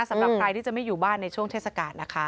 สำหรับใครที่จะไม่อยู่บ้านในช่วงเทศกาลนะคะ